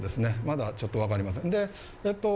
まだちょっと分かりません。